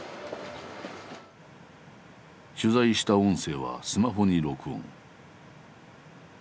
取材した音声はスマホに録音。